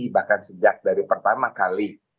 bahkan sejak dari pertama kali